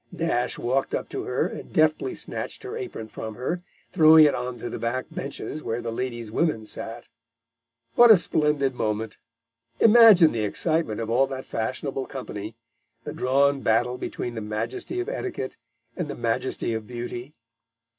Nash walked up to her and deftly snatched her apron from her, throwing it on to the back benches where the ladies' women sat. What a splendid moment! Imagine the excitement of all that fashionable company the drawn battle between the Majesty of Etiquette and the Majesty of Beauty!